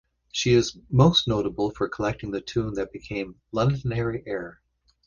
She is most notable for collecting the tune that became "Londonderry Air".